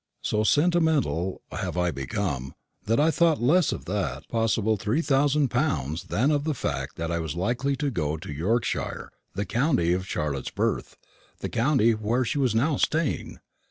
So sentimental have I become, that I thought less of that possible three thousand pounds than of the fact that I was likely to go to Yorkshire, the county of Charlotte's birth, the county where she was now staying.